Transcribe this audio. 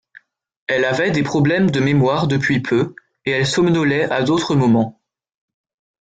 Elle avait des problèmes de mémoire depuis peu et elle somnolait à d’autres moments.